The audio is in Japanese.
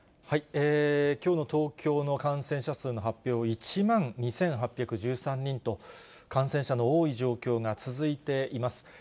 きょうの東京の感染者数の発表、１万２８１３人と、感染者の多い状況が続いています。